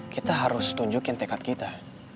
kita harus tunjukin tekad kita